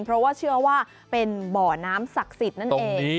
เพราะว่าเชื่อว่าเป็นบ่อน้ำศักดิ์สิทธิ์นั่นเอง